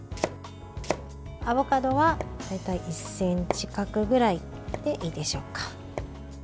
アボカドは大体１ｃｍ角ぐらいでいいでしょうか。